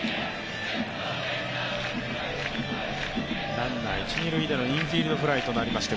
ランナー一・二塁でのインフィールドフライとなりまして